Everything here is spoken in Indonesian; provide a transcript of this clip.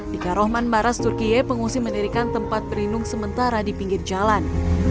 di karohman maras turkiye pengungsi mendirikan tempat berlindung sementara di pinggir jalan